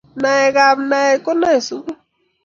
nae kab nae kunoe sukul